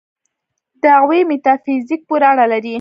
دعوې میتافیزیک پورې اړه لري.